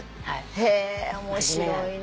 へ面白いな。